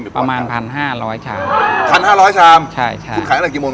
ประมาณพันห้าร้อยชามพันห้าร้อยชามใช่ใช่คุณขายตั้งแต่กี่โมง